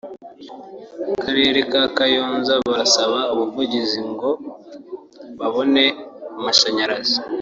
karere ka Kayonza barasaba ubuvugizi ngo babone amashanyarazi